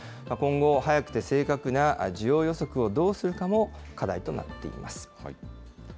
今後、早くて正確な需要予測をどうするかも、課題となっています。